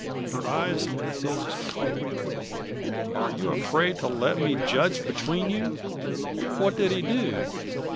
Her eyes met his coldly. "Are you afraid to let me judge between you? What did he do?